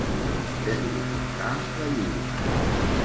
Fer-li portar la lliura.